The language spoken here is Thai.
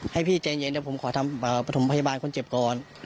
ให้พี่ใจเย็นแต่ผมขอปฐมพยาบาลคนเจ็บก่อน